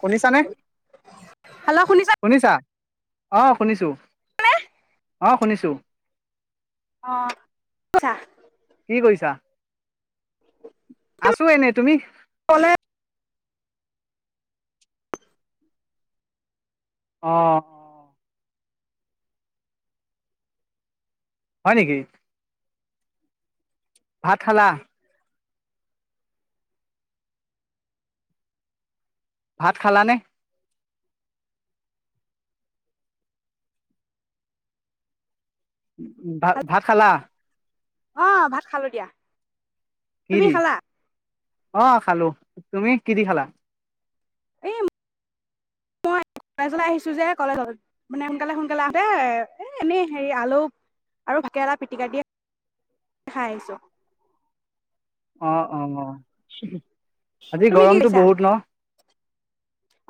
শুনিছা নে শুনিছা অ শুনিছো অ শুনিছো অ ছা কি কৰিছা আছো এনেই তুমি কলে অ হয় নেকি ভাত খালা ভাত খালানে ভ ভাত খালা আহ ভাত খালো দিয়া কি তুমি দি খালা? অ খালো তুমি কিদি খালা এই মই কলেজলৈ আহিছো যে কলেজ মানে সোনকালে সোনকালে আহোতে এ এনেই হেৰি আলু আৰু ভাকেৰেলা পিটিকা দিয়ে খাই আহিছো অ অ অ আজি তুমি কি গৰমতটো কৰিছা? বহুত ন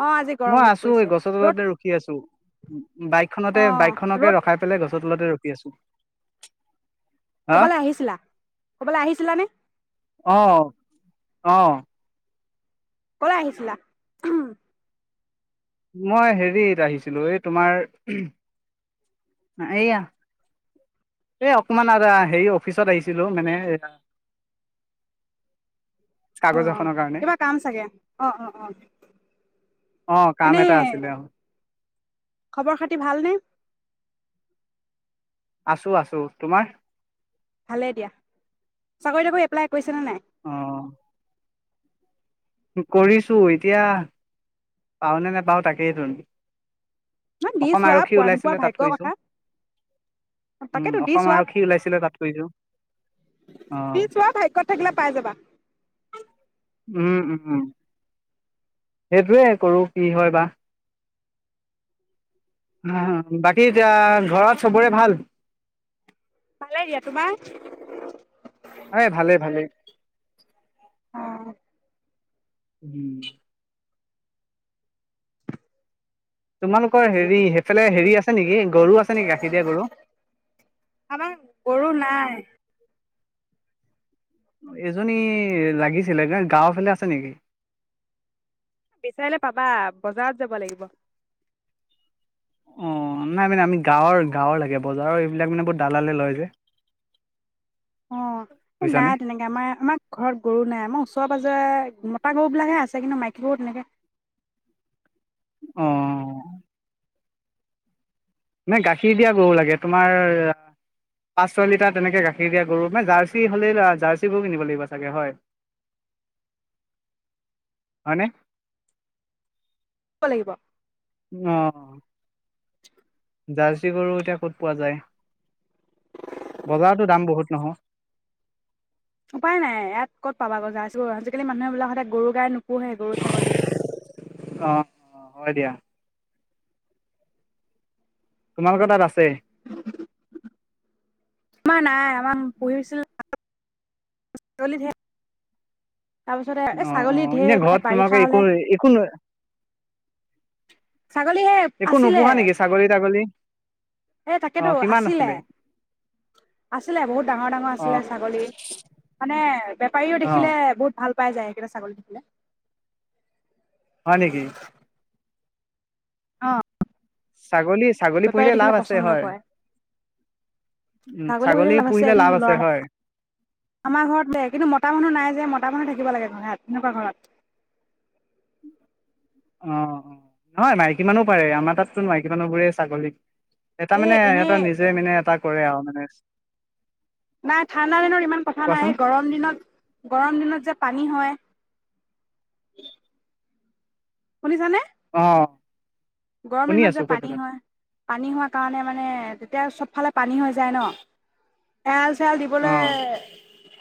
অ' আজি গৰম মই বহুত আছো পৰিছে। এই গছৰ ৰ'দ তলতে ৰখি আছো উম বাইকখননেতে অ' বাইকখননকে ৰ'দ ৰখাই পেলাই গছ তলাতে ৰখি আছো হা? ক'বালৈ আহিছিলা কৰ'বালৈ আহিছিলানে আহ অ কল আহিছিলা মই হেৰিত আহিছিলো এই তোমাৰ এয়া এ অকমান আৰু হেৰি অফিচত আহিছিলো মানে এ অ' অ' কিবা কাম চাগে অ' অ' অ' অ', কাম এনেই এটা আছিলে অ', খবৰ খাতি ভালনে আছো আছো তোমাৰ ভালে দিয়া চাকৰি তাকৰি এপ্লাই কৰিছে নে নাই অ' কৰিছোঁ, এতিয়া পাওঁ নে নেপাওঁ তাকেইতুন। ন দি চোৱা, পোৱা নোপোৱা ভাগ্যৰ কৰিছো কথা। উম, তাকেতো দি অসম চোৱা। আৰক্ষী ওলাইছিলে তাত কৰিছো অ', দি চোৱা ভাগ্যত থাকিলে পাই যাবা। উম, উম। সেইটোয়ে কৰোঁ কি হয় বা? অহ, বাকী আহ, ঘৰত সবৰে ভাল? ভালে দিয়া, তোমাৰ? এ ভালেই ভালেই। উম। তোমালোকৰ হেৰি সেইফালে হেৰি আছে নেকি, গৰু আছে নেকি? গাখীৰ দিয়া গৰু? আমাৰ গৰু নাই এজনী লাগিছিলে গ-গাঁওৰ ফালে আছে নেকি? বিচাৰিলে পাবা, বজাৰত যাব লাগিব। অহ, নাই মানে আমি গাঁৱৰ-গাঁৱৰ লাগে। বজাৰৰ এইবিলাক মানে বহুত দালালে লয় যে। অহ। এই বুজিছানে। নাই তেনেকে আমাৰ। আমাৰ ঘৰত গৰু নাই। আমাৰ ওচৰেৰ পাজৰে তা গৰুবিলাকেহে আছে কিন্তু মাইকী গৰু তেনেকে অহ। নাই গাখীৰ দিয়া গৰু লাগে। তোমাৰ আহ পাঁচ ছয় লিটাৰ তেনেকে গাখীৰ দিয়া গৰু, মানে জাৰ্চি হ'লে লা জাৰ্চি গৰু কিনিব লাগিব চাগে হয়। হয়নে? কৰিব। অহ। জাৰ্চি গৰু এতিয়া ক'ত পোৱা যায়, বজাৰতো দাম বহুত নহয়। উপায় নাই ইয়াত ক'ত পাব গজা আজিবোৰ আজিকালি মানুহে বোলে সদায় গৰু গাই নু পুহে গৰু-ছাগলী। অহ, হয দিয়া। তোমালোকৰ তাত আছে? আমাৰ নাই আমাৰ পঢ়িছি [unintelligible] এই অ', ছাগলী অ', ধেৰ এনে মানে ঘৰত বাৰিষা তোমালাকে হলে একো, একো, ছাগলী সেই একো নোপোহা নেকি ছাগলী তাগলী? হে তাকেতো অঁ কিমান আছিলে আছিলে বহুত ডাঙৰ ডাঙৰ আছিলে অঁ ছাগলী মানে বেপাৰীও অঁ দেখিলে বহুত ভাল পাই যায় একেইটা ছাগলী দেখিলে হয় নেকি অঁ ছাগলী ছাগলী পুহিলে বেপাৰীয়ে লাভ দেখিলে আছে পচন্দ হয় কৰে ছাগলী বুহে লাভ আছে কিন্তু লৰা আমাৰ ঘৰত দে কিন্তু মতা মানুহ নাই যে মতা মানুহ থাকে থিব লাগে নয় তেনেকুৱা ঘৰত অ অ নহয় মাইকী মানুহ পাৰে আমাৰ তাততো মাইকী মানুহ বোৰে ছাগলীক এটা এই মানে এনেই এহটা নিজে মানে এটা কৰে আৰু মানে নাই ঠাণ্ডা দনৰত ইমান কথা নাই কোৱাচোন গৰম দিনত গৰম দিনত যে পানী হয় উ শুনিছানে আহ গৰম দিনত যে পানী হয় পানী হোৱা কাৰণে মানে তেতিয়া চবফালে পানী হৈ যায় ন এজ চাল অ দিবলৈ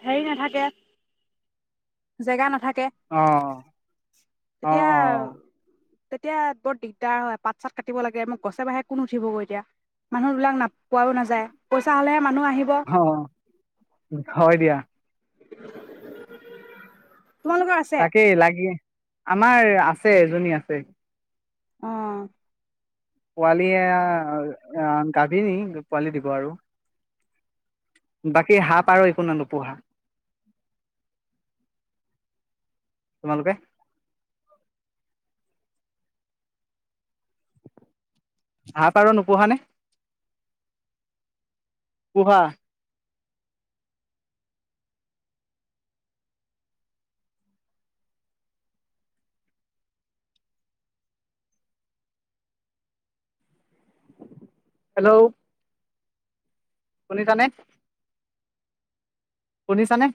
হেৰি নাথাকে জেগা নাথাকে আহ তেতিয়া তেতিয়া বৰ দিগদাৰ হয় পাত চাত কাটিব লাগে মোক গছে বঢাহে কোন উঠিবগৈ এতিয়া মানুহ বিলিলাক নাপোৱাও নাযায় পইচা হ'লেহে মানুহ আহিব অ হয় দিয়া তোমালোকৰ আছে তাকে লাগি আমি আমাৰ আছে এজনী আছে আহ পোৱালিয় গাভ নি পোৱালি দিব আৰু বাকী সাপ আৰু একো নাই নোপোহা তোমালোকে হাঁহ প আৰু নোপোহা নে পূজা হেল্ল' শুনিছানে কনিছনে